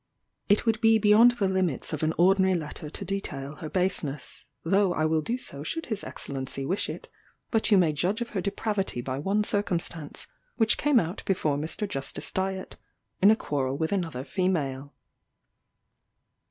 "It would be beyond the limits of an ordinary letter to detail her baseness, though I will do so should his Excellency wish it; but you may judge of her depravity by one circumstance, which came out before Mr. Justice Dyett, in a quarrel with another female.